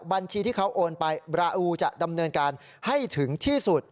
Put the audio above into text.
บัญชีที่เขาโอนไปบราอูจะดำเนินการให้ถึงที่สุด